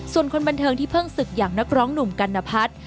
ส่วนคนบันเทิงที่เพิ่งศึกอย่างนักร้องหนุ่มกัณพัฒน์